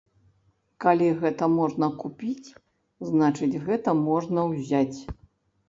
Калі гэта можна купіць, значыць, гэта можна ўзяць.